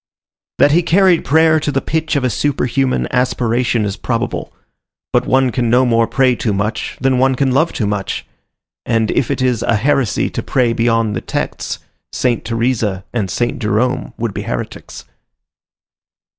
That he carried prayer to the pitch of a superhuman aspiration is probable: but one can no more pray too much than one can love too much; and if it is a heresy to pray beyond the texts, Saint Theresa and Saint Jerome would be heretics.